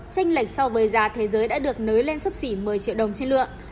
tranh lệch so với giá thế giới đã được nới lên sấp xỉ một mươi triệu đồng trên lượng